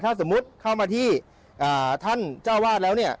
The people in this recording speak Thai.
ถ้าสมมุติเข้ามาที่ท่านเจ้าวาดแล้วเนี่ย